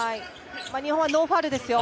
日本はノーファウルですよ。